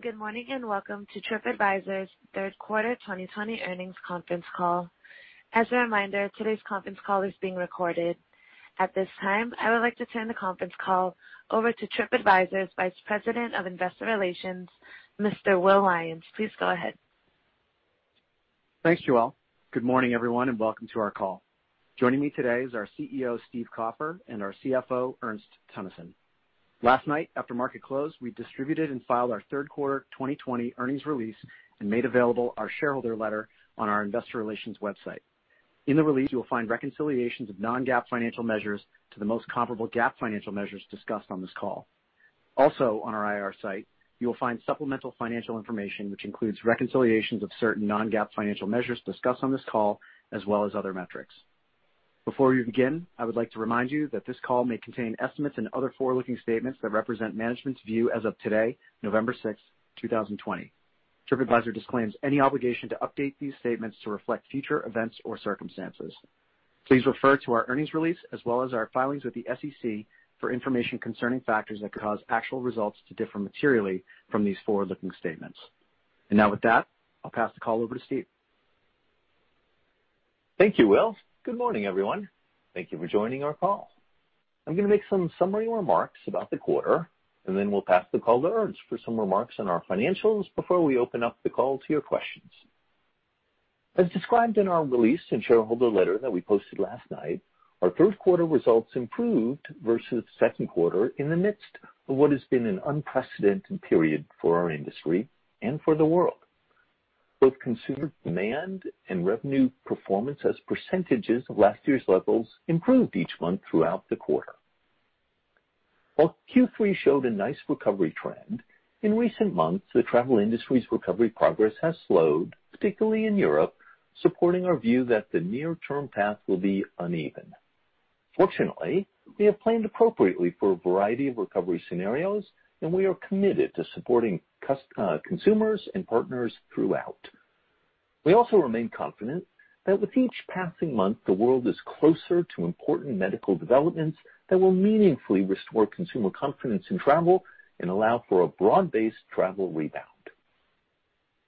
Good morning, welcome to TripAdvisor's Third Quarter 2020 Earnings Conference Call. As a reminder, today's conference call is being recorded. At this time, I would like to turn the conference call over to TripAdvisor's Vice President of Investor Relations, Mr. Will Lyons. Please go ahead. Thanks, Joelle. Good morning, everyone, and welcome to our call. Joining me today is our CEO, Steve Kaufer, and our CFO, Ernst Teunissen. Last night, after market close, we distributed and filed our third quarter 2020 earnings release and made available our shareholder letter on our investor relations website. In the release, you will find reconciliations of non-GAAP financial measures to the most comparable GAAP financial measures discussed on this call. On our IR site, you will find supplemental financial information, which includes reconciliations of certain non-GAAP financial measures discussed on this call, as well as other metrics. Before we begin, I would like to remind you that this call may contain estimates and other forward-looking statements that represent management's view as of today, November 6, 2020. TripAdvisor disclaims any obligation to update these statements to reflect future events or circumstances. Please refer to our earnings release as well as our filings with the SEC for information concerning factors that could cause actual results to differ materially from these forward-looking statements. With that, I'll pass the call over to Steve. Thank you, Will. Good morning, everyone. Thank you for joining our call. I'm going to make some summary remarks about the quarter, and then we'll pass the call to Ernst for some remarks on our financials before we open up the call to your questions. As described in our release and shareholder letter that we posted last night, our third quarter results improved versus second quarter in the midst of what has been an unprecedented period for our industry and for the world. Both consumer demand and revenue performance as percentages of last year's levels improved each month throughout the quarter. While Q3 showed a nice recovery trend, in recent months, the travel industry's recovery progress has slowed, particularly in Europe, supporting our view that the near-term path will be uneven. Fortunately, we have planned appropriately for a variety of recovery scenarios, and we are committed to supporting consumers and partners throughout. We also remain confident that with each passing month, the world is closer to important medical developments that will meaningfully restore consumer confidence in travel and allow for a broad-based travel rebound.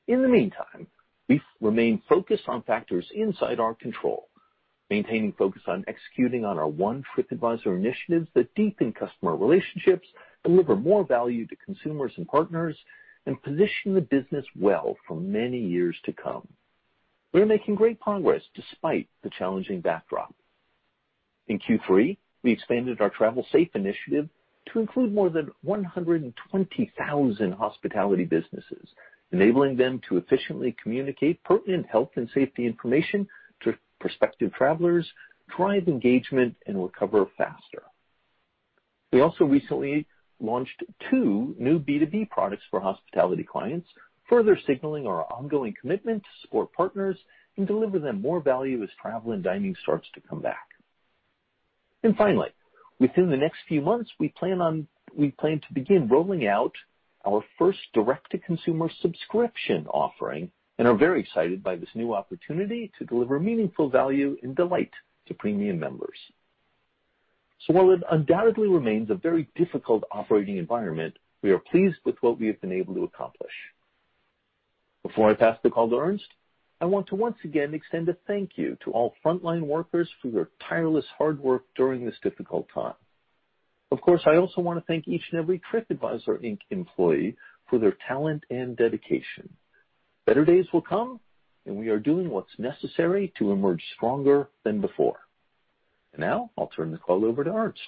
In the meantime, we remain focused on factors inside our control, maintaining focus on executing on our One TripAdvisor initiatives that deepen customer relationships, deliver more value to consumers and partners, and position the business well for many years to come. We are making great progress despite the challenging backdrop. In Q3, we expanded our Travel Safe initiative to include more than 120,000 hospitality businesses, enabling them to efficiently communicate pertinent health and safety information to prospective travelers, drive engagement, and recover faster. We also recently launched two new B2B products for hospitality clients, further signaling our ongoing commitment to support partners and deliver them more value as travel and dining starts to come back. Finally, within the next few months, we plan to begin rolling out our first direct-to-consumer subscription offering and are very excited by this new opportunity to deliver meaningful value and delight to premium members. While it undoubtedly remains a very difficult operating environment, we are pleased with what we have been able to accomplish. Before I pass the call to Ernst, I want to once again extend a thank you to all frontline workers for their tireless hard work during this difficult time. Of course, I also want to thank each and every TripAdvisor, Inc. employee for their talent and dedication. Better days will come, and we are doing what's necessary to emerge stronger than before. Now I'll turn the call over to Ernst.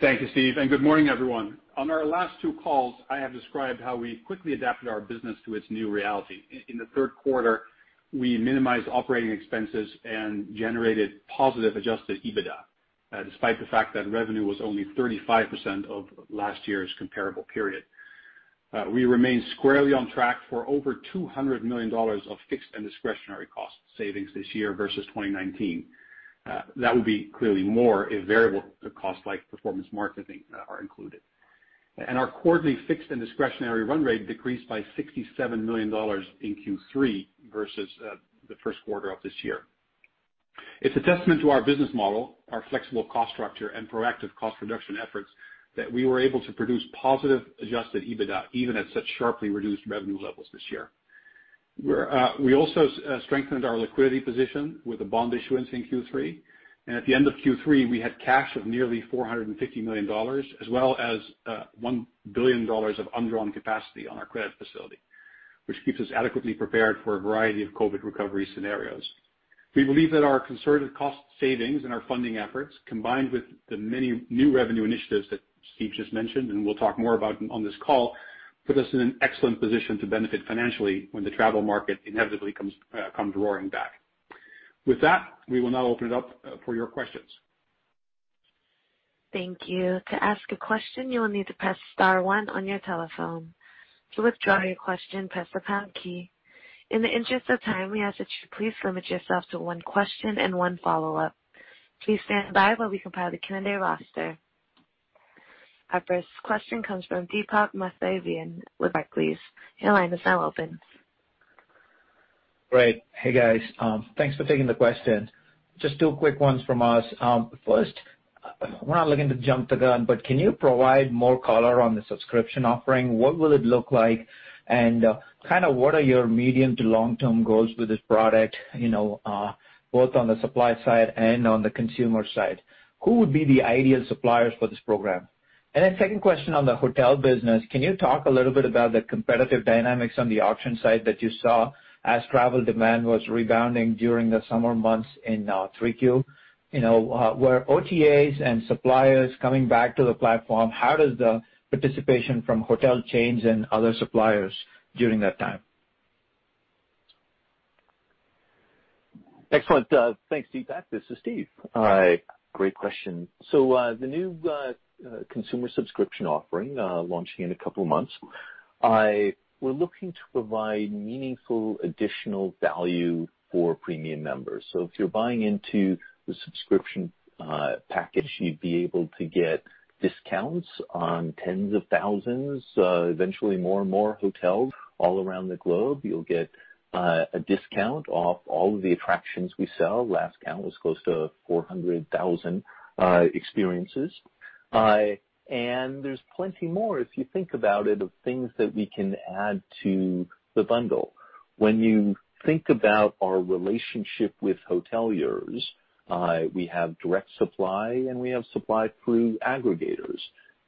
Thank you, Steve. Good morning, everyone. On our last two calls, I have described how we quickly adapted our business to its new reality. In the third quarter, we minimized operating expenses and generated positive adjusted EBITDA, despite the fact that revenue was only 35% of last year's comparable period. We remain squarely on track for over $200 million of fixed and discretionary cost savings this year versus 2019. That would be clearly more if variable costs like performance marketing are included. Our quarterly fixed and discretionary run rate decreased by $67 million in Q3 versus the first quarter of this year. It's a testament to our business model, our flexible cost structure, and proactive cost reduction efforts that we were able to produce positive adjusted EBITDA even at such sharply reduced revenue levels this year. We also strengthened our liquidity position with a bond issuance in Q3, and at the end of Q3, we had cash of nearly $450 million, as well as $1 billion of undrawn capacity on our credit facility, which keeps us adequately prepared for a variety of COVID recovery scenarios. We believe that our conservative cost savings and our funding efforts, combined with the many new revenue initiatives that Steve just mentioned, and we'll talk more about on this call, put us in an excellent position to benefit financially when the travel market inevitably comes roaring back. With that, we will now open it up for your questions. Thank you. To ask a question, you will need to press star one on your telephone. To withdraw your question, press the pound key. In the interest of time, we ask that you please limit yourself to one question and one follow-up. Please stand by while we compile the candidate roster. Our first question comes from Deepak Mathivanan with Barclays. Your line is now open. Great. Hey, guys. Thanks for taking the questions. Just two quick ones from us. First, we're not looking to jump the gun, but can you provide more color on the subscription offering? What will it look like, and what are your medium to long-term goals with this product, both on the supply side and on the consumer side? Who would be the ideal suppliers for this program? Second question on the hotel business, can you talk a little bit about the competitive dynamics on the auction side that you saw as travel demand was rebounding during the summer months in Q3? Were OTAs and suppliers coming back to the platform? How does the participation from hotel chains and other suppliers during that time? Excellent. Thanks, Deepak. This is Steve. Great question. The new consumer subscription offering, launching in a couple of months, we're looking to provide meaningful additional value for premium members. If you're buying into the subscription package, you'd be able to get discounts on tens of thousands, eventually more and more hotels all around the globe. You'll get a discount off all of the attractions we sell. Last count was close to 400,000 experiences. There's plenty more, if you think about it, of things that we can add to the bundle. When you think about our relationship with hoteliers, we have direct supply, and we have supply through aggregators.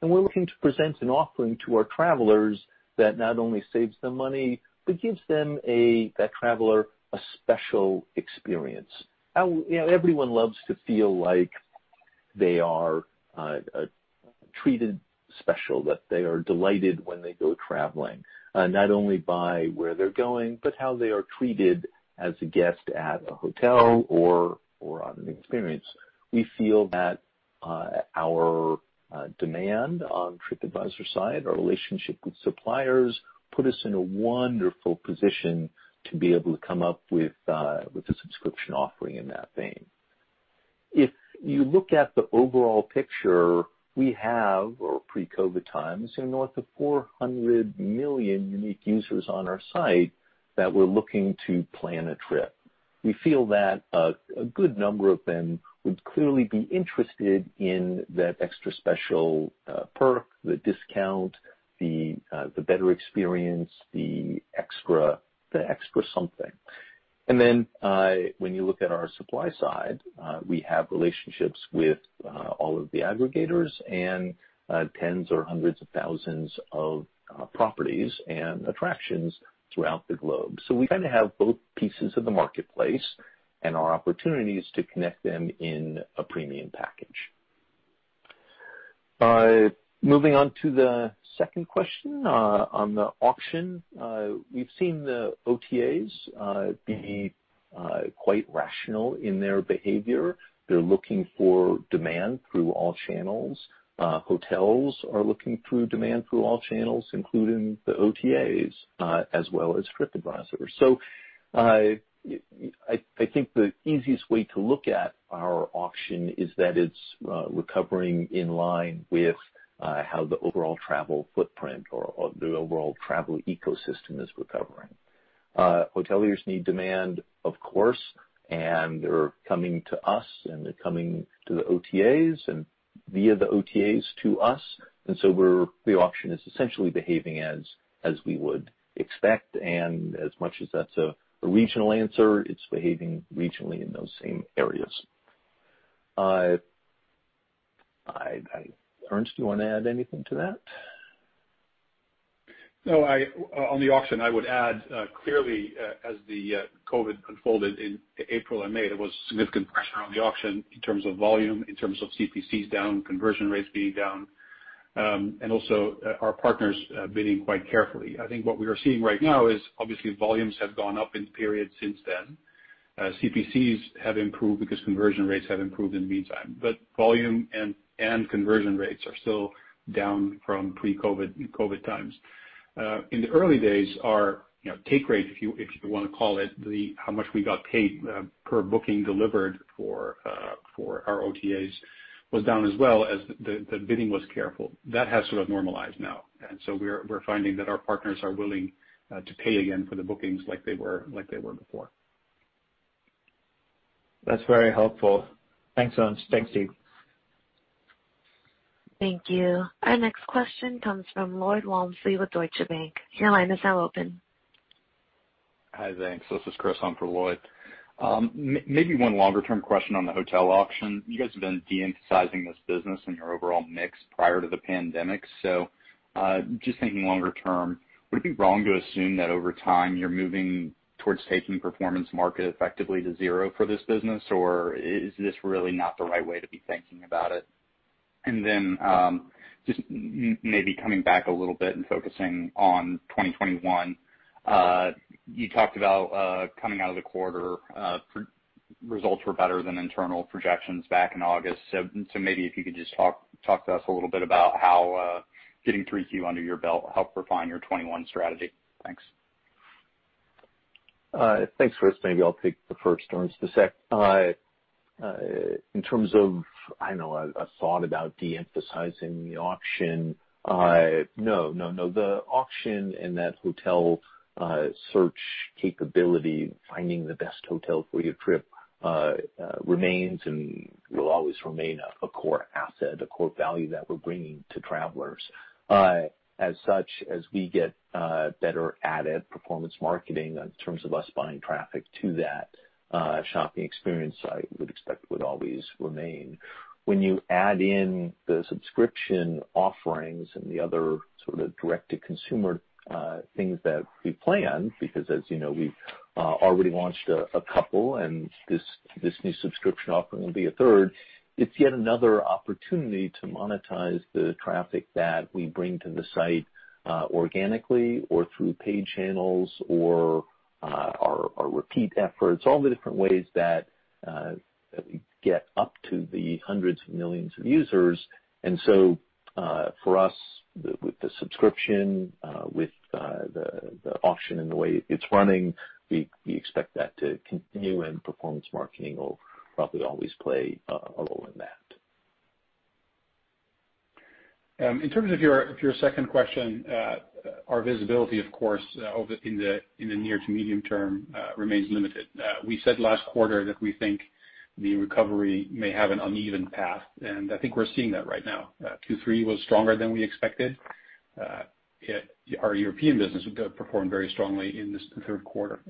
We're looking to present an offering to our travelers that not only saves them money, but gives that traveler a special experience. Everyone loves to feel like they are treated special, that they are delighted when they go traveling, not only by where they're going, but how they are treated as a guest at a hotel or on an experience. We feel that our demand on TripAdvisor side, our relationship with suppliers, put us in a wonderful position to be able to come up with a subscription offering in that vein. If you look at the overall picture, we have, or pre-COVID times, north of 400 million unique users on our site that were looking to plan a trip. We feel that a good number of them would clearly be interested in that extra special perk, the discount, the better experience, the extra something. When you look at our supply side, we have relationships with all of the aggregators and tens or hundreds of thousands of properties and attractions throughout the globe. We have both pieces of the marketplace and our opportunities to connect them in a premium package. Moving on to the second question on the auction. We've seen the OTAs be quite rational in their behavior. They're looking for demand through all channels. Hotels are looking through demand through all channels, including the OTAs, as well as TripAdvisor. I think the easiest way to look at our auction is that it's recovering in line with how the overall travel footprint or the overall travel ecosystem is recovering. Hoteliers need demand, of course, and they're coming to us, and they're coming to the OTAs and via the OTAs to us. The auction is essentially behaving as we would expect, and as much as that's a regional answer, it's behaving regionally in those same areas. Ernst, do you want to add anything to that? No. On the auction, I would add, clearly, as the COVID unfolded in April and May, there was significant pressure on the auction in terms of volume, in terms of CPC down, conversion rates being down, and also our partners bidding quite carefully. I think what we are seeing right now is obviously volumes have gone up in the period since then. CPC have improved because conversion rates have improved in the meantime. Volume and conversion rates are still down from pre-COVID times. In the early days, our take rate, if you want to call it, how much we got paid per booking delivered for our OTAs, was down as well as the bidding was careful. That has normalized now, and so we're finding that our partners are willing to pay again for the bookings like they were before. That's very helpful. Thanks, Ernst. Thanks, Steve. Thank you. Our next question comes from Lloyd Walmsley with Deutsche Bank. Your line is now open. Hi, thanks. This is Chris on for Lloyd. Maybe one longer-term question on the hotel auction. You guys have been de-emphasizing this business in your overall mix prior to the pandemic. Just thinking longer term, would it be wrong to assume that over time, you're moving towards taking performance marketing effectively to zero for this business, or is this really not the right way to be thinking about it? Just maybe coming back a little bit and focusing on 2021. You talked about coming out of the quarter, results were better than internal projections back in August. Maybe if you could just talk to us a little bit about how getting Q3 under your belt helped refine your 2021 strategy. Thanks. Thanks, Chris. Maybe I'll take the first, Ernst, the second. In terms of, I don't know, a thought about de-emphasizing the auction, no. The auction and that hotel search capability, finding the best hotel for your trip, remains and will always remain a core asset, a core value that we're bringing to travelers. As such, as we get better at performance marketing in terms of us buying traffic to that shopping experience site, we'd expect would always remain. When you add in the subscription offerings and the other sort of direct-to-consumer things that we plan, because as you know, we've already launched a couple, and this new subscription offering will be a third, it's yet another opportunity to monetize the traffic that we bring to the site organically or through paid channels or our repeat efforts, all the different ways that we get up to the hundreds of millions of users. For us, with the subscription, with the auction and the way it's running, we expect that to continue, and performance marketing will probably always play a role in that. In terms of your second question, our visibility, of course, in the near to medium term, remains limited. We said last quarter that we think the recovery may have an uneven path, I think we're seeing that right now. Q3 was stronger than we expected. Our European business performed very strongly in this third quarter.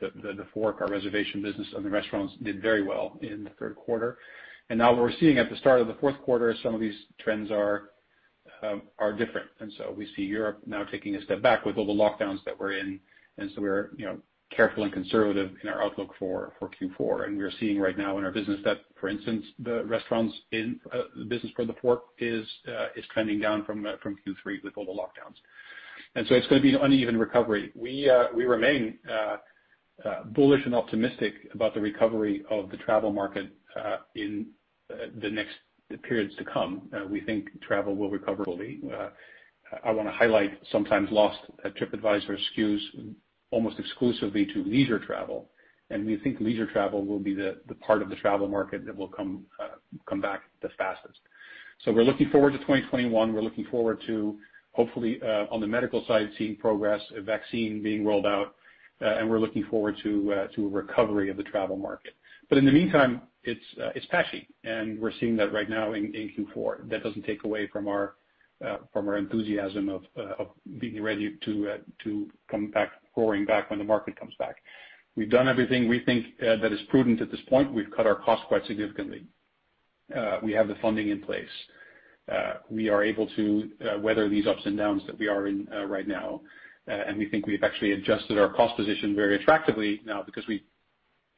TheFork, our reservation business on the restaurants, did very well in the third quarter. Now what we're seeing at the start of the fourth quarter is some of these trends are different. We see Europe now taking a step back with all the lockdowns that we're in. We're careful and conservative in our outlook for Q4. We're seeing right now in our business that, for instance, the restaurants in the business for TheFork is trending down from Q3 with all the lockdowns. It's going to be an uneven recovery. We remain bullish and optimistic about the recovery of the travel market in the next periods to come. We think travel will recover fully. I want to highlight, sometimes lost at TripAdvisor skews almost exclusively to leisure travel, and we think leisure travel will be the part of the travel market that will come back the fastest. We're looking forward to 2021. We're looking forward to, hopefully, on the medical side, seeing progress, a vaccine being rolled out, and we're looking forward to a recovery of the travel market. In the meantime, it's patchy, and we're seeing that right now in Q4. That doesn't take away from our enthusiasm of being ready to roaring back when the market comes back. We've done everything we think that is prudent at this point. We've cut our costs quite significantly. We have the funding in place. We are able to weather these ups and downs that we are in right now. We think we've actually adjusted our cost position very attractively now because we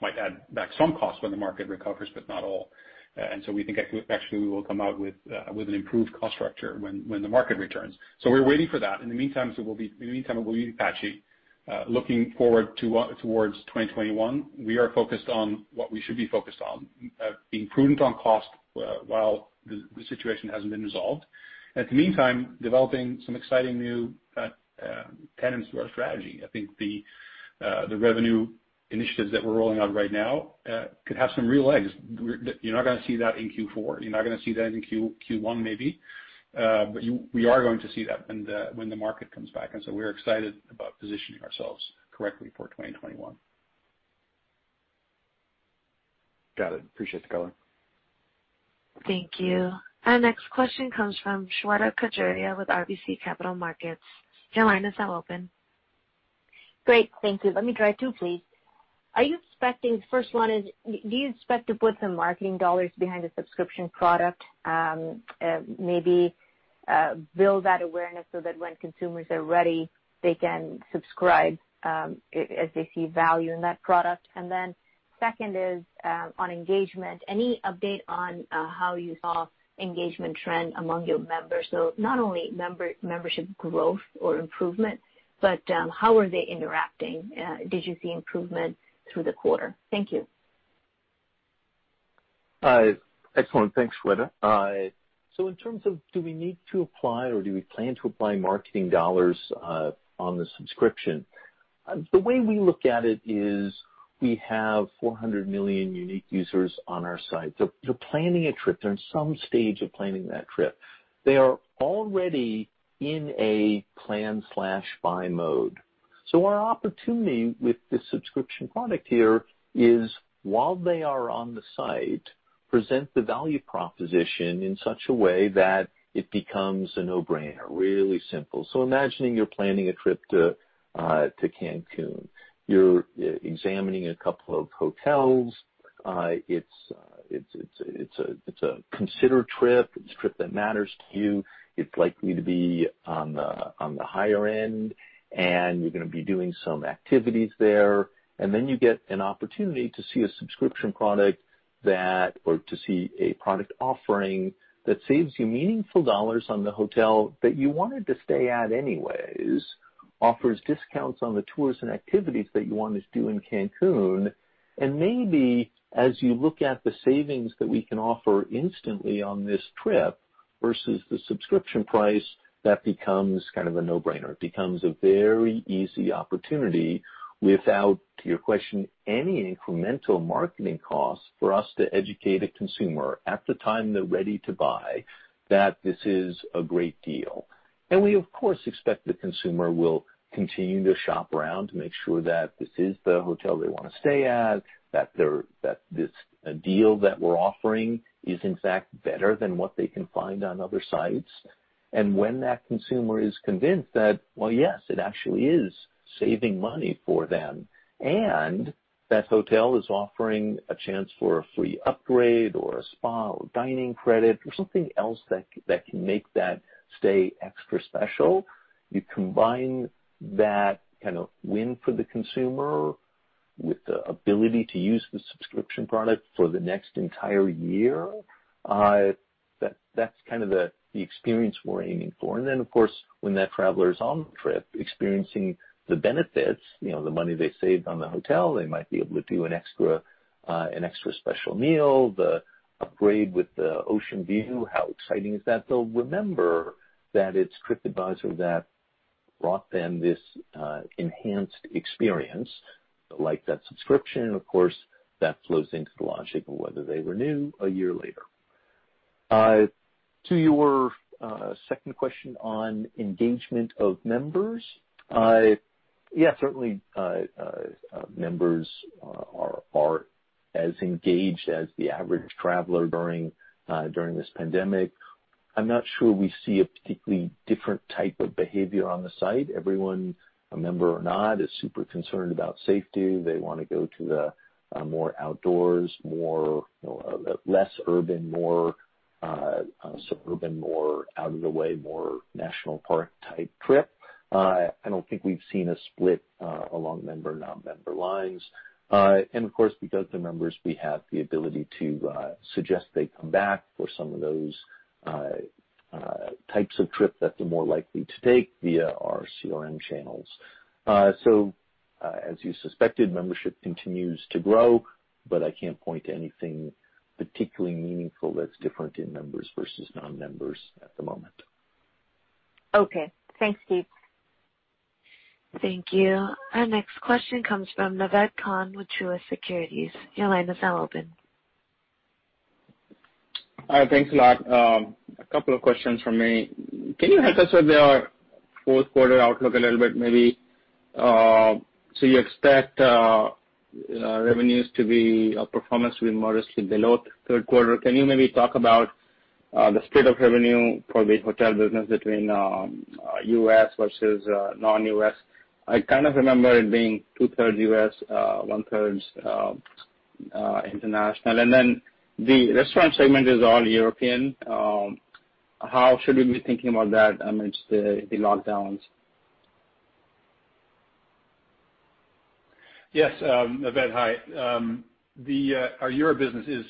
might add back some costs when the market recovers, but not all. We think actually we will come out with an improved cost structure when the market returns. We're waiting for that. In the meantime, it will be patchy. Looking forward towards 2021, we are focused on what we should be focused on, being prudent on cost while the situation hasn't been resolved. In the meantime, developing some exciting new tenets to our strategy. I think the revenue initiatives that we're rolling out right now could have some real legs. You're not going to see that in Q4. You're not going to see that in Q1 maybe. We are going to see that when the market comes back. We're excited about positioning ourselves correctly for 2021. Got it. Appreciate the color. Thank you. Our next question comes from Shweta Khajuria with RBC Capital Markets. Your line is now open. Great. Thank you. Let me try two, please. First one is, do you expect to put some marketing dollars behind the subscription product? Maybe build that awareness so that when consumers are ready, they can subscribe as they see value in that product? Then second is, on engagement, any update on how you saw engagement trend among your members? Not only membership growth or improvement, but how are they interacting? Did you see improvement through the quarter? Thank you. Excellent. Thanks, Shweta. In terms of do we need to apply or do we plan to apply marketing dollars on the subscription, the way we look at it is we have 400 million unique users on our site. They're planning a trip. They're in some stage of planning that trip. They are already in a plan/buy mode. Our opportunity with this subscription product here is while they are on the site, present the value proposition in such a way that it becomes a no-brainer, really simple. Imagine you're planning a trip to Cancun. You're examining a couple of hotels. It's a considered trip. It's a trip that matters to you. It's likely to be on the higher end, and you're going to be doing some activities there. You get an opportunity to see a subscription product, or to see a product offering that saves you meaningful dollars on the hotel that you wanted to stay at anyways, offers discounts on the tours and activities that you wanted to do in Cancun. Maybe, as you look at the savings that we can offer instantly on this trip versus the subscription price, that becomes kind of a no-brainer. It becomes a very easy opportunity without, to your question, any incremental marketing costs for us to educate a consumer at the time they're ready to buy, that this is a great deal. We, of course, expect the consumer will continue to shop around to make sure that this is the hotel they want to stay at, that this deal that we're offering is, in fact, better than what they can find on other sites. When that consumer is convinced that, well, yes, it actually is saving money for them, and that hotel is offering a chance for a free upgrade or a spa or dining credit or something else that can make that stay extra special, you combine that kind of win for the consumer with the ability to use the subscription product for the next entire year, that's kind of the experience we're aiming for. Then, of course, when that traveler's on the trip, experiencing the benefits, the money they saved on the hotel, they might be able to do an extra special meal, the upgrade with the ocean view, how exciting is that. They'll remember that it's TripAdvisor that brought them this enhanced experience, like that subscription, and of course, that flows into the logic of whether they renew a year later. To your second question on engagement of members, yeah, certainly, members are as engaged as the average traveler during this pandemic. I'm not sure we see a particularly different type of behavior on the site. Everyone, member or not, is super concerned about safety. They want to go to the more outdoors, less urban, more suburban, more out of the way, more national park type trip. I don't think we've seen a split along member/non-member lines. Of course, because they're members, we have the ability to suggest they come back for some of those types of trip that they're more likely to take via our CRM channels. As you suspected, membership continues to grow, but I can't point to anything particularly meaningful that's different in members versus non-members at the moment. Okay. Thanks, Steve. Thank you. Our next question comes from Naved Khan with Truist Securities. Your line is now open. Hi. Thanks a lot. A couple of questions from me. Can you help us with your fourth quarter outlook a little bit maybe? You expect performance to be modestly below third quarter. Can you maybe talk about the split of revenue for the hotel business between U.S. versus non-U.S.? I kind of remember it being 2/3 U.S., 1/3 international. The restaurant segment is all European. How should we be thinking about that amidst the lockdowns? Yes. Naved, hi. Our Europe business is,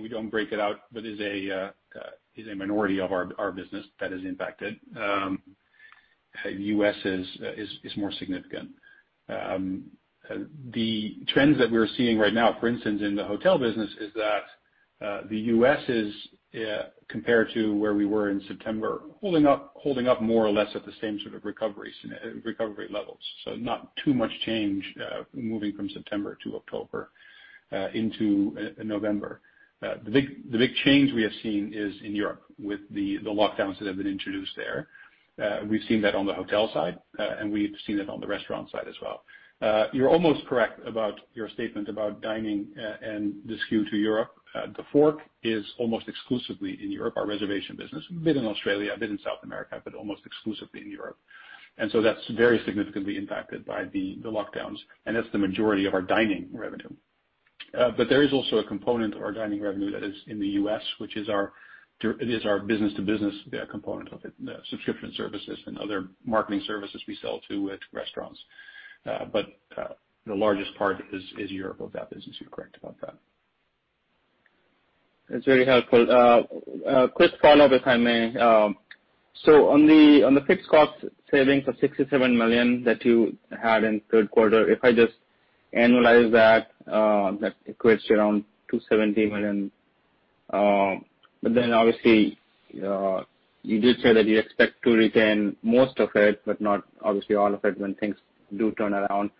we don't break it out, but is a minority of our business that is impacted. U.S. is more significant. The trends that we're seeing right now, for instance, in the hotel business, is that the U.S. is, compared to where we were in September, holding up more or less at the same sort of recovery levels. Not too much change moving from September to October into November. The big change we have seen is in Europe with the lockdowns that have been introduced there. We've seen that on the hotel side, and we've seen it on the restaurant side as well. You're almost correct about your statement about dining and the skew to Europe. TheFork is almost exclusively in Europe, our reservation business. A bit in Australia, a bit in South America, but almost exclusively in Europe. That's very significantly impacted by the lockdowns, and that's the majority of our dining revenue. There is also a component of our dining revenue that is in the U.S., which is our business-to-business component of it, the subscription services and other marketing services we sell too with restaurants. The largest part is Europe of that business. You're correct about that. That's very helpful. A quick follow-up, if I may. On the fixed cost savings of $67 million that you had in the third quarter, if I just annualize that equates to around $270 million. Obviously, you did say that you expect to retain most of it, but not obviously all of it when things do turn around.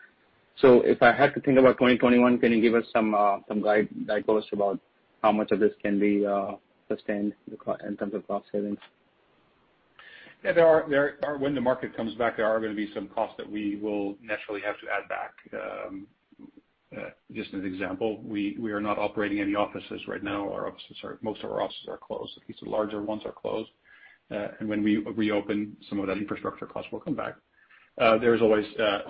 If I had to think about 2021, can you give us some guidepost about how much of this can be sustained in terms of cost savings? Yeah. When the market comes back, there are going to be some costs that we will naturally have to add back. Just as an example, we are not operating any offices right now. Most of our offices are closed. At least the larger ones are closed. When we reopen, some of that infrastructure cost will come back. There is always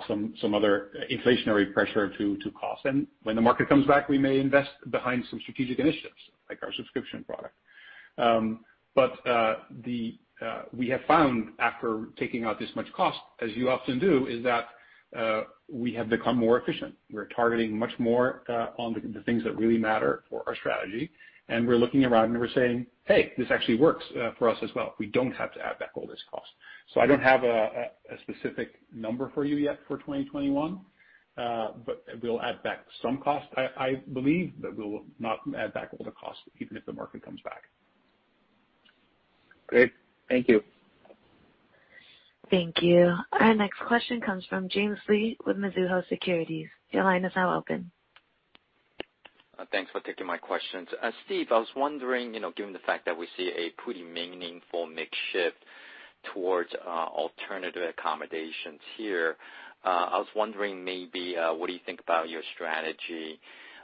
some other inflationary pressure to cost, and when the market comes back, we may invest behind some strategic initiatives, like our subscription product. We have found after taking out this much cost, as you often do, is that we have become more efficient. We're targeting much more on the things that really matter for our strategy, and we're looking around, and we're saying, "Hey, this actually works for us as well. We don't have to add back all this cost. I don't have a specific number for you yet for 2021, but we'll add back some cost. I believe that we will not add back all the cost, even if the market comes back. Great. Thank you. Thank you. Our next question comes from James Lee with Mizuho Securities. Your line is now open. Thanks for taking my questions. Steve, I was wondering, given the fact that we see a pretty meaningful mix shift towards alternative accommodations here, I was wondering maybe what do you think about your strategy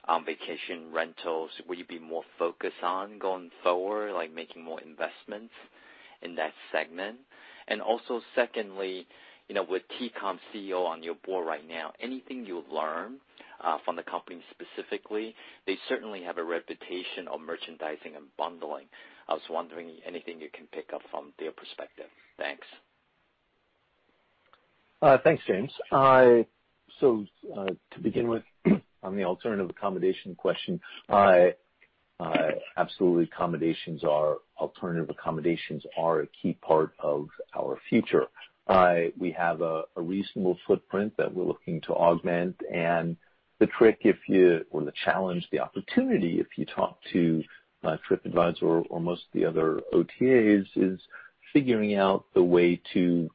on vacation rentals? Will you be more focused on going forward, like making more investments in that segment? Also secondly, with TCOM CEO on your board right now, anything you've learned from the company specifically? They certainly have a reputation of merchandising and bundling. I was wondering anything you can pick up from their perspective. Thanks. Thanks, James. To begin with, on the alternative accommodation question, absolutely, alternative accommodations are a key part of our future. We have a reasonable footprint that we're looking to augment, and the trick, or the challenge, the opportunity, if you talk to TripAdvisor or most of the other OTAs, is figuring out the way to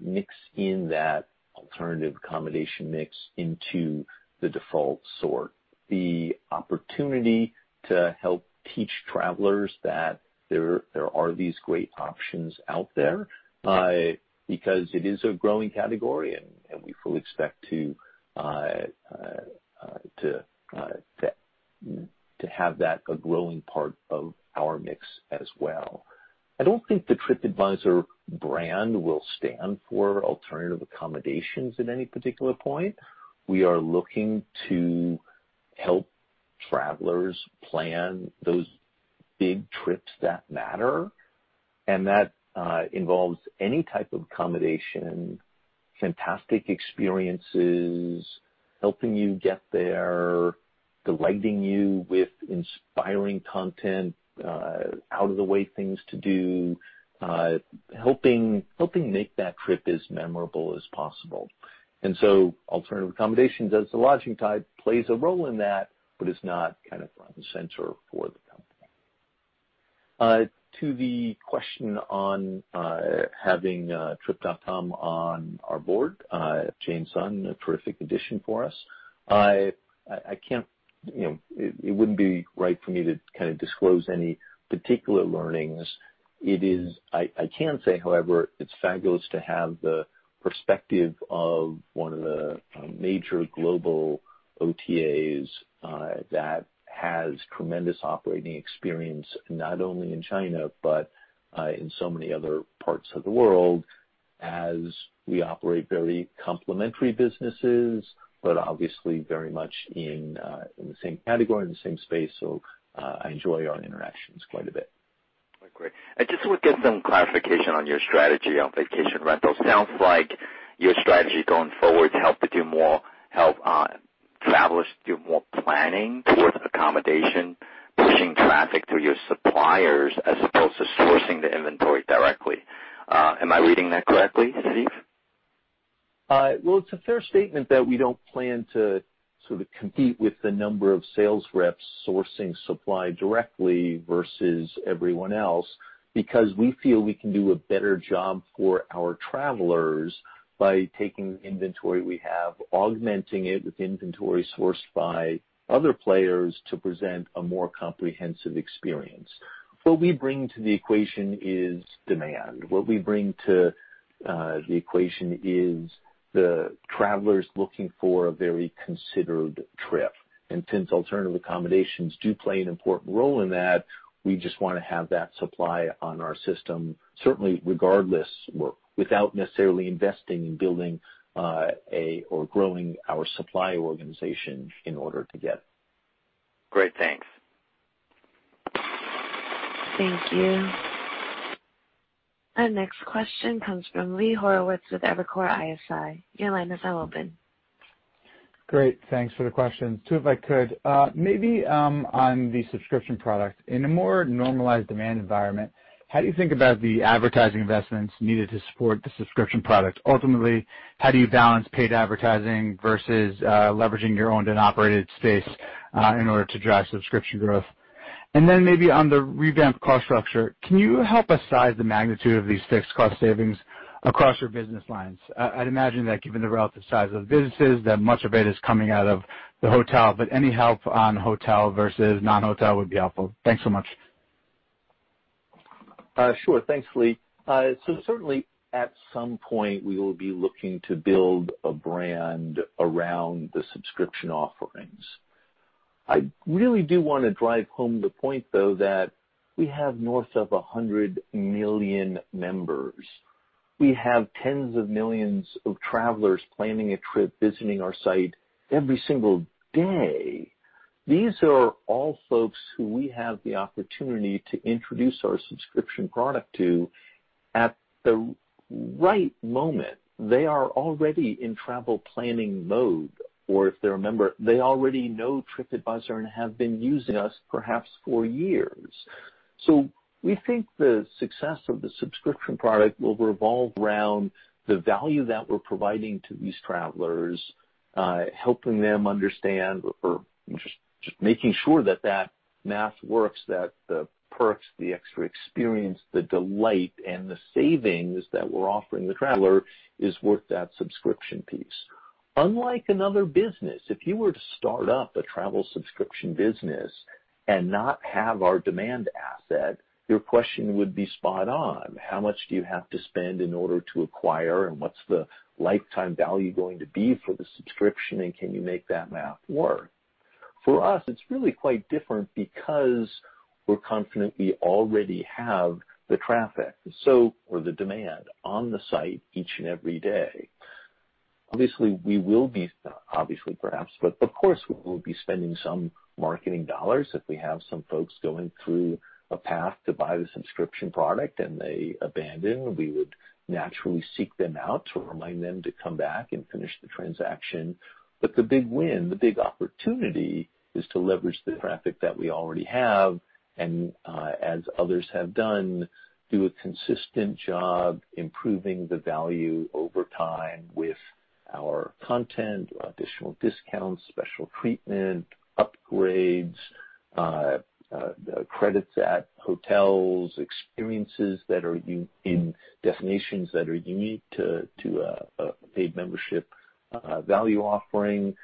mix in that alternative accommodation mix into the default sort. The opportunity to help teach travelers that there are these great options out there, because it is a growing category, and we fully expect to have that a growing part of our mix as well. I don't think the TripAdvisor brand will stand for alternative accommodations at any particular point. We are looking to help travelers plan those big trips that matter, that involves any type of accommodation, fantastic experiences, helping you get there, delighting you with inspiring content, out of the way things to do, helping make that trip as memorable as possible. Alternative accommodations as a lodging type plays a role in that, it's not front and center for the company. To the question on having Trip.com on our board, Jane Sun, a terrific addition for us. It wouldn't be right for me to disclose any particular learnings. I can say, however, it's fabulous to have the perspective of one of the major global OTAs that has tremendous operating experience, not only in China, but in so many other parts of the world as we operate very complementary businesses, but obviously very much in the same category, in the same space, so I enjoy our interactions quite a bit. Great. I just would get some clarification on your strategy on vacation rentals. Sounds like your strategy going forward to help travelers do more planning towards accommodation, pushing traffic to your suppliers as opposed to sourcing the inventory directly. Am I reading that correctly, Steve? Well, it's a fair statement that we don't plan to compete with the number of sales reps sourcing supply directly versus everyone else, because we feel we can do a better job for our travelers by taking the inventory we have, augmenting it with inventory sourced by other players to present a more comprehensive experience. What we bring to the equation is demand. What we bring to the equation is the travelers looking for a very considered trip. Since alternative accommodations do play an important role in that, we just want to have that supply on our system, certainly regardless, without necessarily investing in building or growing our supply organization in order to get it. Great. Thanks. Thank you. Our next question comes from Lee Horowitz with Evercore ISI. Your line is now open. Great. Thanks for the questions. Two, if I could. Maybe on the subscription product. In a more normalized demand environment, how do you think about the advertising investments needed to support the subscription product? Ultimately, how do you balance paid advertising versus leveraging your owned and operated space in order to drive subscription growth? Then maybe on the revamped cost structure, can you help us size the magnitude of these fixed cost savings across your business lines? I'd imagine that given the relative size of the businesses, that much of it is coming out of the hotel, but any help on hotel versus non-hotel would be helpful. Thanks so much. Sure. Thanks, Lee. Certainly at some point we will be looking to build a brand around the subscription offerings. I really do want to drive home the point, though, that we have north of 100 million members. We have tens of millions of travelers planning a trip, visiting our site every single day. These are all folks who we have the opportunity to introduce our subscription product to at the right moment. They are already in travel planning mode, or if they're a member, they already know TripAdvisor and have been using us perhaps for years. We think the success of the subscription product will revolve around the value that we're providing to these travelers. Helping them understand or just making sure that that math works, that the perks, the extra experience, the delight, and the savings that we're offering the traveler is worth that subscription piece. Unlike another business, if you were to start up a travel subscription business and not have our demand asset, your question would be spot on. How much do you have to spend in order to acquire, and what's the lifetime value going to be for the subscription, and can you make that math work? For us, it's really quite different because we're confident we already have the traffic or the demand on the site each and every day. Obviously, perhaps, but of course, we will be spending some marketing dollars if we have some folks going through a path to buy the subscription product and they abandon, we would naturally seek them out to remind them to come back and finish the transaction. The big win, the big opportunity, is to leverage the traffic that we already have and, as others have done, do a consistent job improving the value over time with our content, additional discounts, special treatment, upgrades, credits at hotels, experiences that are in destinations that are unique to a paid membership value offering.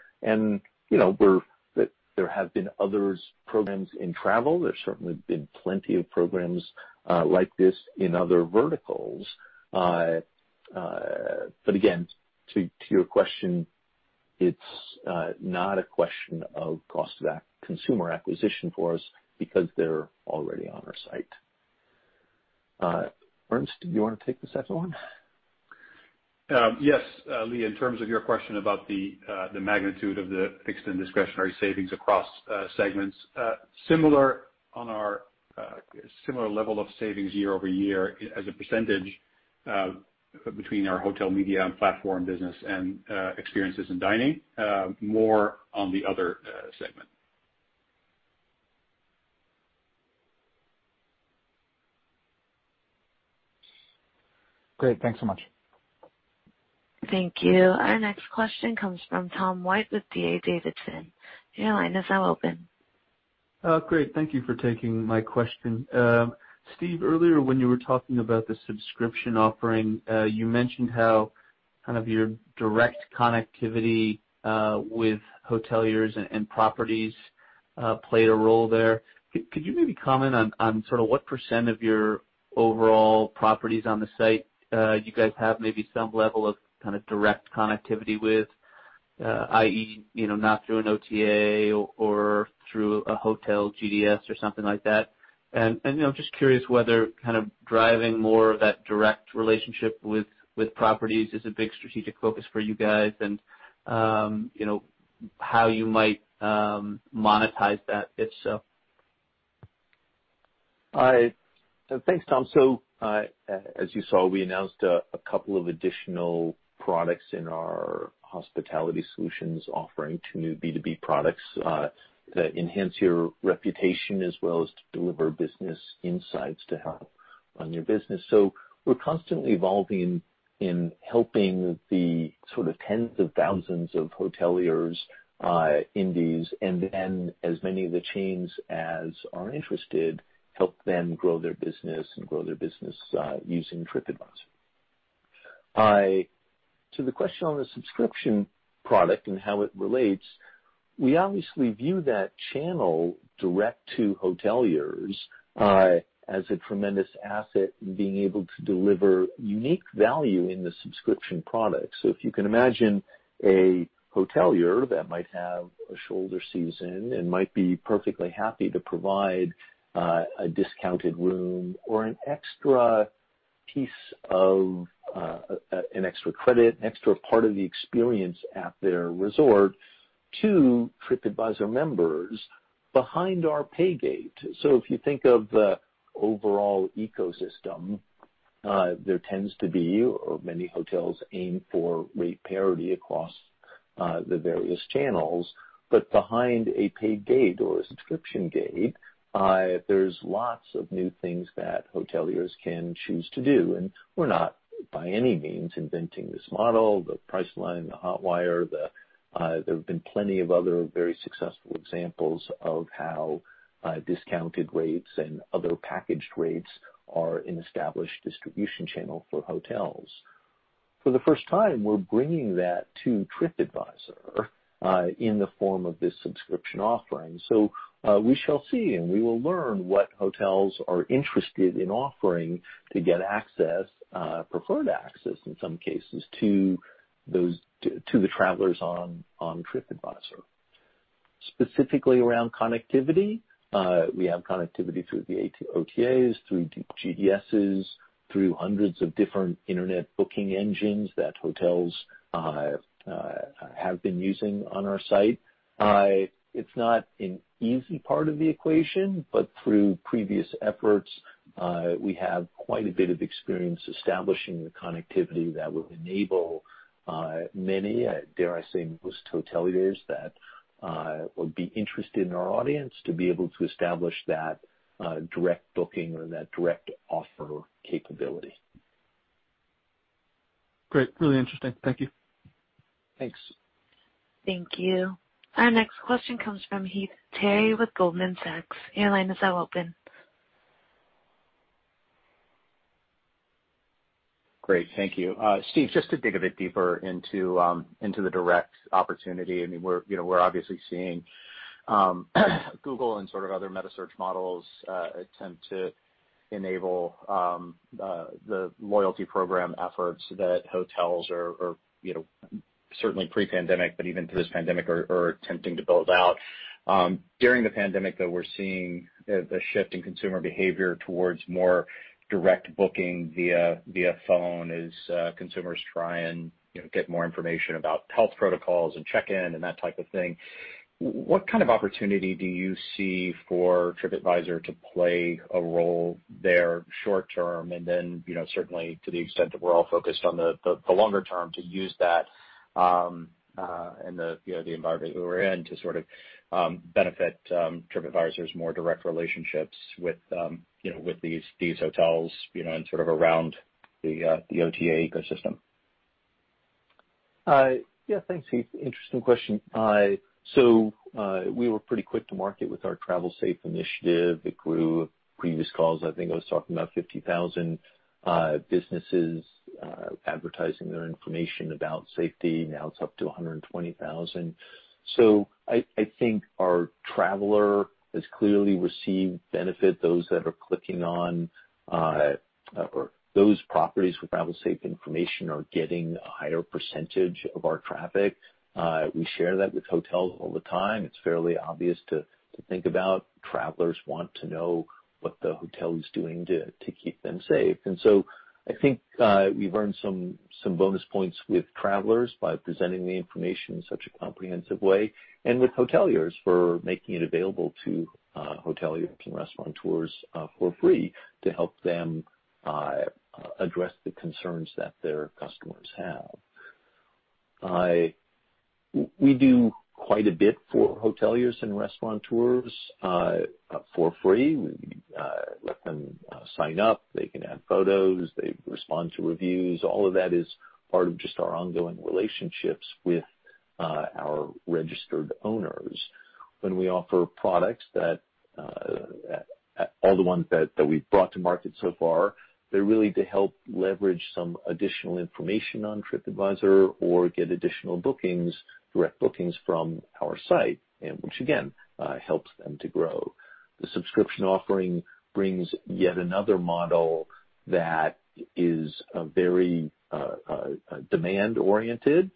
There have been other programs in travel. There's certainly been plenty of programs like this in other verticals. Again, to your question, it's not a question of cost of consumer acquisition for us because they're already on our site. Ernst, do you want to take the second one? Yes, Lee, in terms of your question about the magnitude of the fixed and discretionary savings across segments, similar level of savings year-over-year as a percentage between our hotel media and platform business and Experiences and Dining, more on the other segment. Great. Thanks so much. Thank you. Our next question comes from Tom White with D.A. Davidson. Your line is now open. Great. Thank you for taking my question. Steve, earlier when you were talking about the subscription offering, you mentioned how your direct connectivity with hoteliers and properties played a role there. Could you maybe comment on what % of your overall properties on the site you guys have maybe some level of direct connectivity with, i.e., not through an OTA or through a hotel GDS or something like that? I'm just curious whether driving more of that direct relationship with properties is a big strategic focus for you guys and how you might monetize that if so. Thanks, Tom. As you saw, we announced a couple of additional products in our hospitality solutions offering, two new B2B products that enhance your reputation as well as to deliver business insights to help on your business. We're constantly evolving in helping the tens of thousands of hoteliers, indies, and then as many of the chains as are interested, help them grow their business and grow their business using TripAdvisor. To the question on the subscription product and how it relates, we obviously view that channel direct to hoteliers as a tremendous asset in being able to deliver unique value in the subscription product. If you can imagine a hotelier that might have a shoulder season and might be perfectly happy to provide a discounted room or an extra credit, an extra part of the experience at their resort to TripAdvisor members behind our pay gate. If you think of the overall ecosystem, there tends to be, or many hotels aim for rate parity across the various channels, but behind a pay gate or a subscription gate, there is lots of new things that hoteliers can choose to do, and we are not by any means inventing this model, the Priceline, the Hotwire, there have been plenty of other very successful examples of how discounted rates and other packaged rates are an established distribution channel for hotels. For the first time, we are bringing that to TripAdvisor in the form of this subscription offering. We shall see, and we will learn what hotels are interested in offering to get access, preferred access in some cases, to the travelers on TripAdvisor. Specifically around connectivity, we have connectivity through the OTAs, through GDSs, through hundreds of different internet booking engines that hotels have been using on our site. It's not an easy part of the equation, but through previous efforts, we have quite a bit of experience establishing the connectivity that would enable many, dare I say most hoteliers that would be interested in our audience to be able to establish that direct booking or that direct offer capability. Great. Really interesting. Thank you. Thanks. Thank you. Our next question comes from Heath Terry with Goldman Sachs. Your line is now open. Great. Thank you. Steve, just to dig a bit deeper into the direct opportunity, we're obviously seeing, Google and other meta search models attempt to enable the loyalty program efforts that hotels are, certainly pre-pandemic, but even through this pandemic, are attempting to build out. During the pandemic, though, we're seeing a shift in consumer behavior towards more direct booking via phone as consumers try and get more information about health protocols and check-in and that type of thing. What kind of opportunity do you see for TripAdvisor to play a role there short-term, and then certainly to the extent that we're all focused on the longer term, to use that, and the environment that we're in to sort of benefit TripAdvisor's more direct relationships with these hotels and sort of around the OTA ecosystem? Yeah. Thanks, Heath. Interesting question. We were pretty quick to market with our Travel Safe initiative. It grew. Previous calls, I think I was talking about 50,000 businesses advertising their information about safety. Now it's up to 120,000. I think our traveler has clearly received benefit. Those that are clicking on, or those properties with Travel Safe information are getting a higher percentage of our traffic. We share that with hotels all the time. It's fairly obvious to think about. Travelers want to know what the hotel is doing to keep them safe. I think, we've earned some bonus points with travelers by presenting the information in such a comprehensive way and with hoteliers for making it available to hoteliers and restaurateurs for free to help them address the concerns that their customers have. We do quite a bit for hoteliers and restaurateurs for free. We let them sign up. They can add photos. They respond to reviews. All of that is part of just our ongoing relationships with our registered owners. When we offer products that, all the ones that we've brought to market so far, they're really to help leverage some additional information on TripAdvisor or get additional bookings, direct bookings from our site, and which again, helps them to grow. The subscription offering brings yet another model that is very demand oriented,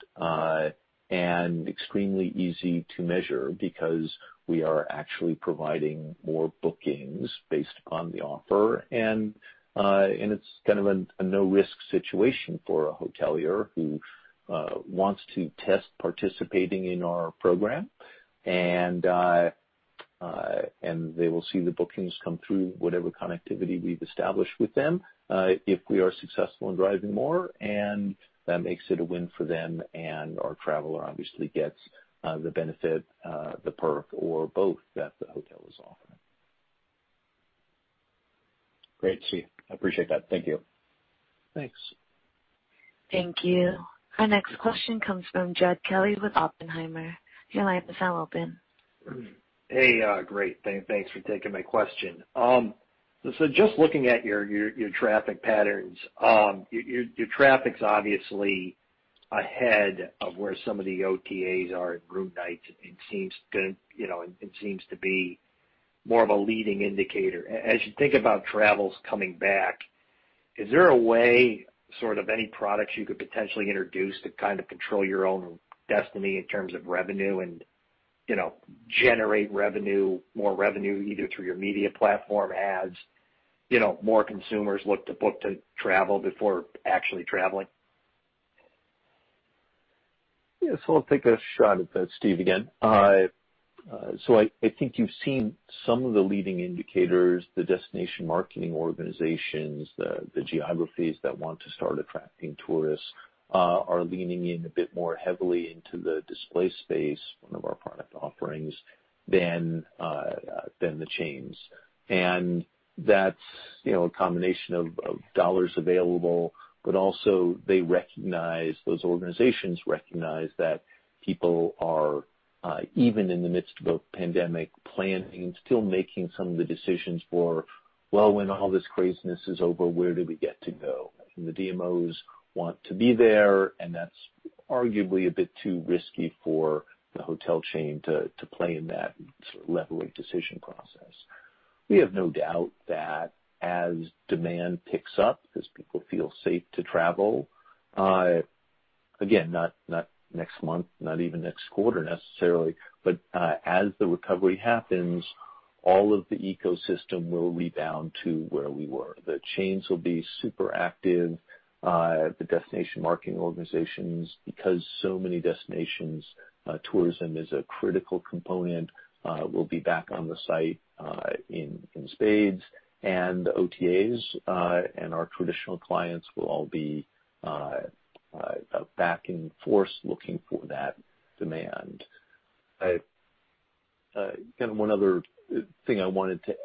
and extremely easy to measure because we are actually providing more bookings based upon the offer. It's kind of a no-risk situation for a hotelier who wants to test participating in our program. They will see the bookings come through whatever connectivity we've established with them, if we are successful in driving more, and that makes it a win for them, and our traveler obviously gets the benefit, the perk, or both that the hotel is offering. Great, Steve. I appreciate that. Thank you. Thanks. Thank you. Our next question comes from Jed Kelly with Oppenheimer. Your line is now open. Hey, great. Thanks for taking my question. Just looking at your traffic patterns. Your traffic's obviously ahead of where some of the OTAs are in room nights, and it seems to be more of a leading indicator. As you think about travels coming back, is there a way, sort of any products you could potentially introduce to kind of control your own destiny in terms of revenue and generate more revenue, either through your media platform ads, more consumers look to book to travel before actually traveling? I'll take a shot at that. Steve again. I think you've seen some of the leading indicators, the Destination Marketing Organizations, the geographies that want to start attracting tourists, are leaning in a bit more heavily into the display space, one of our product offerings than the chains. That's a combination of dollars available, but also they recognize, those organizations recognize that people are, even in the midst of a pandemic, planning, still making some of the decisions for, well, when all this craziness is over, where do we get to go? The DMOs want to be there, and that's arguably a bit too risky for the hotel chain to play in that sort of leveling decision process. We have no doubt that as demand picks up, as people feel safe to travel, again, not next month, not even next quarter necessarily, but as the recovery happens, all of the ecosystem will rebound to where we were. The chains will be super active. The Destination Marketing Organizations, because so many destinations, tourism is a critical component, will be back on the site in spades, and OTAs, and our traditional clients will all be back in force looking for that demand. One other thing I wanted to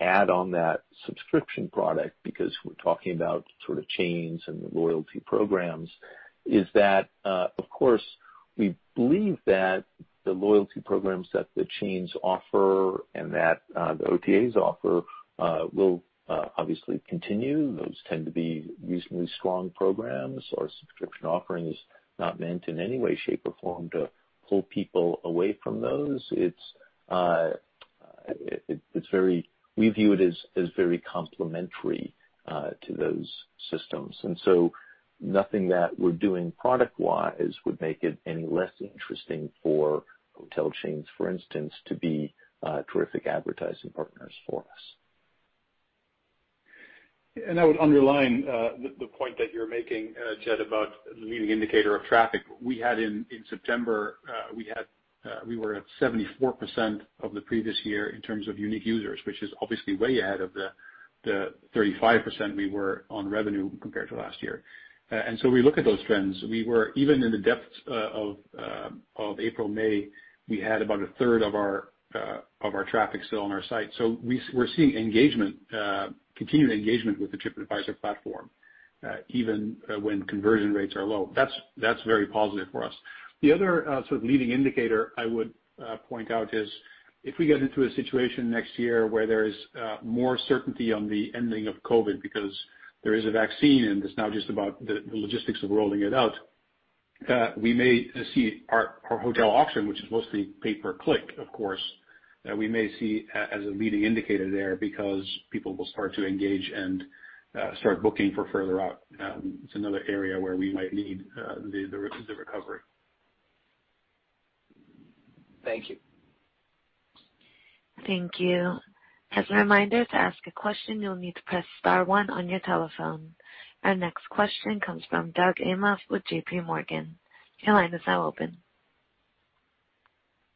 add on that subscription product, because we're talking about chains and the loyalty programs, is that, of course, we believe that the loyalty programs that the chains offer and that the OTAs offer will obviously continue. Those tend to be reasonably strong programs. Our subscription offering is not meant in any way, shape, or form to pull people away from those. We view it as very complementary to those systems. Nothing that we're doing product-wise would make it any less interesting for hotel chains, for instance, to be terrific advertising partners for us. I would underline the point that you're making, Jed, about the leading indicator of traffic we had in September. We were at 74% of the previous year in terms of unique users, which is obviously way ahead of the 35% we were on revenue compared to last year. We look at those trends. Even in the depths of April, May, we had about a third of our traffic still on our site. We're seeing continued engagement with the TripAdvisor platform, even when conversion rates are low. That's very positive for us. The other leading indicator I would point out is if we get into a situation next year where there is more certainty on the ending of COVID because there is a vaccine, and it's now just about the logistics of rolling it out, we may see our hotel auction, which is mostly pay per click, of course, that we may see as a leading indicator there because people will start to engage and start booking for further out. It's another area where we might lead the recovery. Thank you. Thank you. As a reminder, to ask a question, you'll need to press star one on your telephone. Our next question comes from Doug Anmuth with JPMorgan. Your line is now open.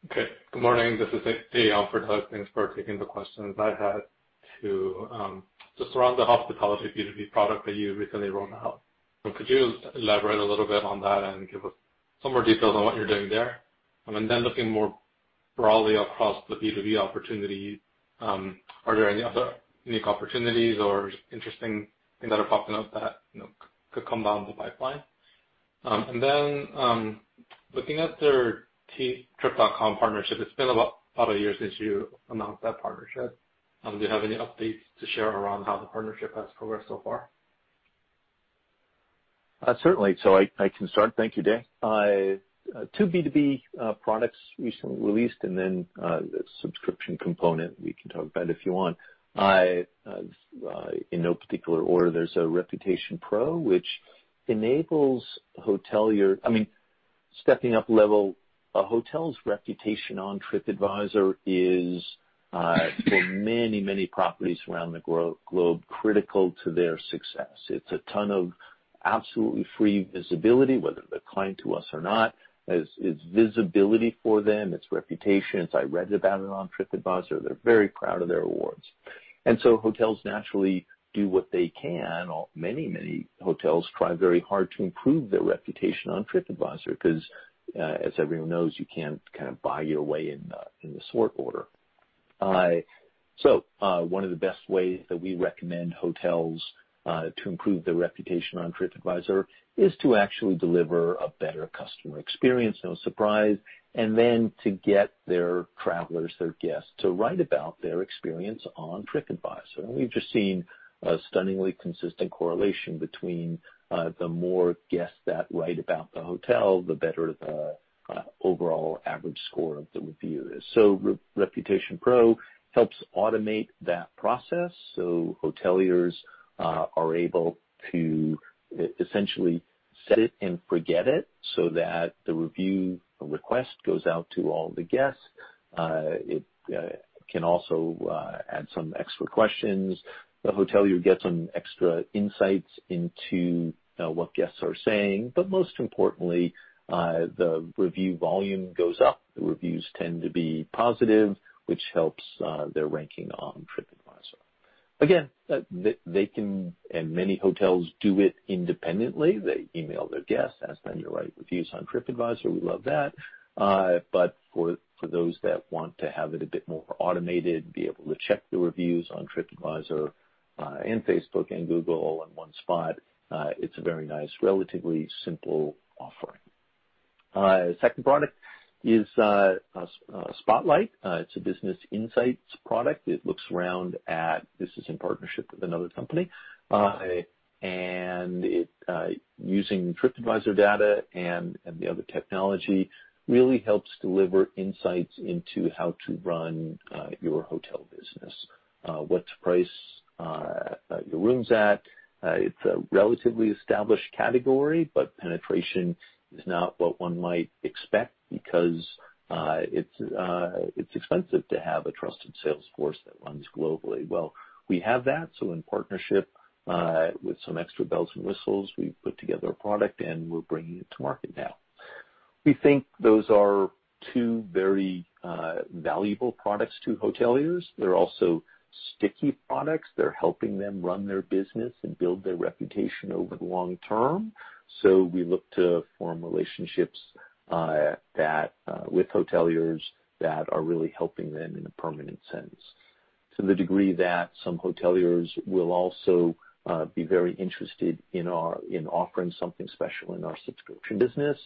Okay. Good morning. This is Jay on for Doug. Thanks for taking the questions. I had two. Just around the hospitality B2B product that you recently rolled out, could you elaborate a little bit on that and give us some more details on what you're doing there? Looking more broadly across the B2B opportunity, are there any other unique opportunities or interesting things that are popping up that could come down the pipeline? Looking at their Trip.com partnership, it's been a couple of years since you announced that partnership. Do you have any updates to share around how the partnership has progressed so far? Certainly. I can start. Thank you, Jay. Two B2B products recently released, and then the subscription component, we can talk about if you want. In no particular order, there's a Reputation Pro, which enables stepping up a level, a hotel's reputation on TripAdvisor is, for many properties around the globe, critical to their success. It's a ton of absolutely free visibility, whether they're client to us or not. It's visibility for them, it's reputation. It's, "I read about it on TripAdvisor." They're very proud of their awards. Hotels naturally do what they can. Many hotels try very hard to improve their reputation on TripAdvisor because, as everyone knows, you can't buy your way in the sort order. One of the best ways that we recommend hotels to improve their reputation on TripAdvisor is to actually deliver a better customer experience, no surprise, and then to get their travelers, their guests, to write about their experience on TripAdvisor. We've just seen a stunningly consistent correlation between the more guests that write about the hotel, the better the overall average score of the review is. Reputation Pro helps automate that process. Hoteliers are able to essentially set it and forget it so that the review request goes out to all the guests. It can also add some extra questions. The hotelier gets some extra insights into what guests are saying, but most importantly, the review volume goes up. The reviews tend to be positive, which helps their ranking on TripAdvisor. Again, they can, and many hotels do it independently. They email their guests, ask them to write reviews on TripAdvisor. We love that. For those that want to have it a bit more automated, be able to check the reviews on TripAdvisor, Facebook, and Google all in one spot, it's a very nice, relatively simple offering. Second product is Spotlight. It's a business insights product. This is in partnership with another company, and using TripAdvisor data and the other technology, really helps deliver insights into how to run your hotel business, what to price your rooms at. It's a relatively established category, but penetration is not what one might expect because it's expensive to have a trusted sales force that runs globally. Well, we have that, in partnership with some extra bells and whistles, we put together a product and we're bringing it to market now. We think those are two very valuable products to hoteliers. They're also sticky products that are helping them run their business and build their reputation over the long term. We look to form relationships with hoteliers that are really helping them in a permanent sense. To the degree that some hoteliers will also be very interested in offering something special in our subscription business,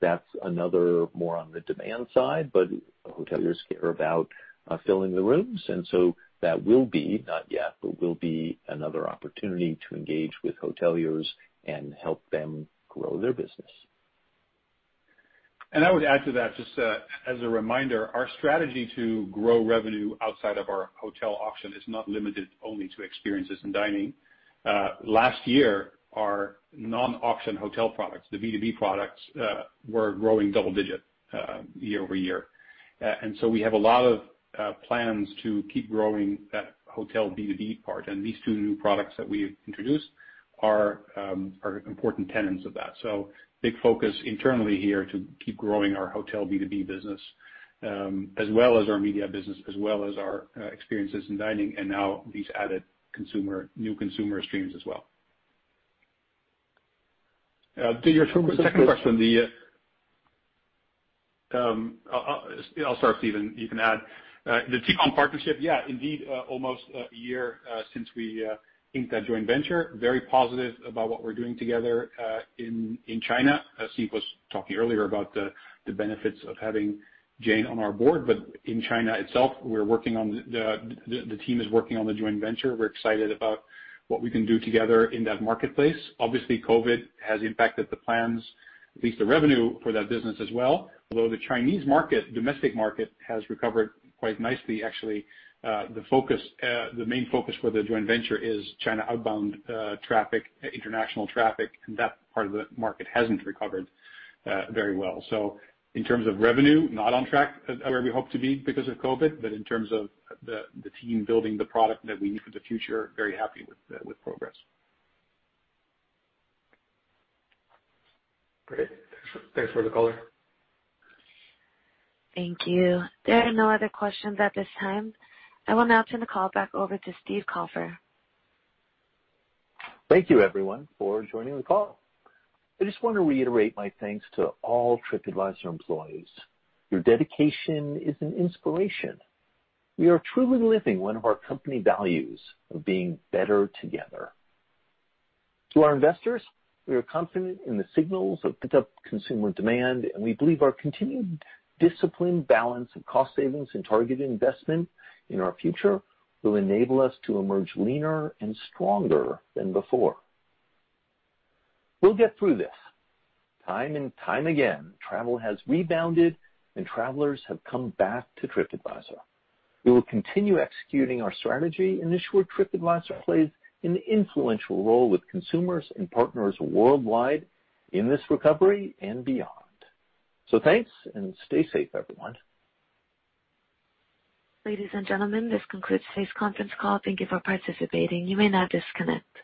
that's another more on the demand side. Hoteliers care about filling the rooms, that will be, not yet, but will be another opportunity to engage with hoteliers and help them grow their business. I would add to that, just as a reminder, our strategy to grow revenue outside of our hotel auction is not limited only to experiences and dining. Last year, our non-auction hotel products, the B2B products, were growing double-digit year over year. We have a lot of plans to keep growing that hotel B2B part, and these two new products that we introduced are important tenants of that. Big focus internally here to keep growing our hotel B2B business, as well as our media business, as well as our Experiences and Dining, and now these added new consumer streams as well. To your second question, I'll start, Steve, and you can add. The TCOM partnership, yeah, indeed, almost a year since we inked that joint venture. Very positive about what we're doing together in China. Steve was talking earlier about the benefits of having Jane on our board. In China itself, the team is working on the joint venture. We're excited about what we can do together in that marketplace. Obviously, COVID has impacted the plans, at least the revenue for that business as well. The Chinese market, domestic market, has recovered quite nicely, actually. The main focus for the joint venture is China outbound traffic, international traffic, and that part of the market hasn't recovered very well. In terms of revenue, not on track where we hope to be because of COVID, but in terms of the team building the product that we need for the future, very happy with progress. Great. Thanks for the color. Thank you. There are no other questions at this time. I will now turn the call back over to Steve Kaufer. Thank you, everyone, for joining the call. I just want to reiterate my thanks to all TripAdvisor employees. Your dedication is an inspiration. We are truly living one of our company values of being better together. To our investors, we are confident in the signals of pent-up consumer demand, and we believe our continued disciplined balance of cost savings and targeted investment in our future will enable us to emerge leaner and stronger than before. We'll get through this. Time and time again, travel has rebounded, and travelers have come back to TripAdvisor. We will continue executing our strategy, ensure TripAdvisor plays an influential role with consumers and partners worldwide in this recovery and beyond. Thanks, and stay safe, everyone. Ladies and gentlemen, this concludes today's conference call. Thank you for participating. You may now disconnect.